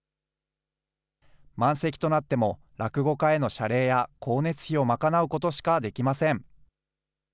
満席となっても、落語家への謝礼や光熱費を賄うことしかできません。